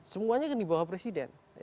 semuanya kan dibawah presiden